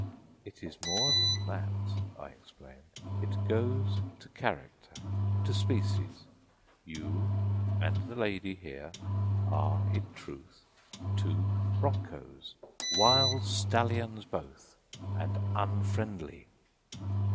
"It is more than that," I explained; "it goes to character to species. You and the lady here are, in truth, two broncos wild stallions both, and unfriendly."